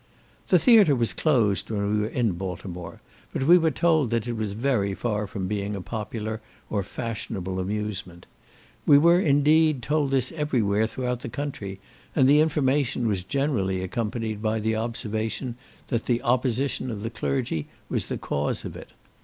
The theatre was closed when we were in Baltimore, but we were told that it was very far from being a popular or fashionable amusement. We were, indeed, told this every where throughout the country, and the information was generally accompanied by the observation, that the opposition of the clergy was the cause of it.